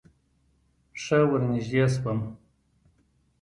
ښه ورنژدې سوم.